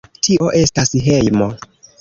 Tio estas hejmo.